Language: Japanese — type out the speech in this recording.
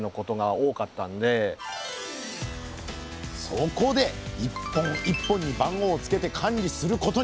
そこで１本１本に番号をつけて管理することに。